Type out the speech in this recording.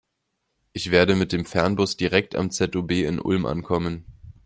Ich werde mit dem Fernbus direkt am ZOB in Ulm ankommen.